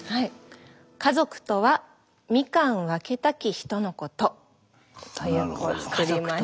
「家族とは蜜柑分けたき人のこと」という句を作りました。